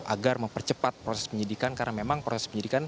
agar mempercepat proses penyidikan karena memang proses penyidikan